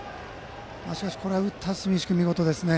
しかし、これは打った住石君が見事ですね。